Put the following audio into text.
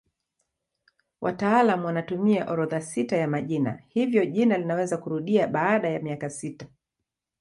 Wataalamu wanatumia orodha sita ya majina hivyo jina linaweza kurudia baada ya miaka sita.